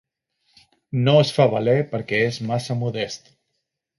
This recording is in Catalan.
No es fa valer perquè és massa modest.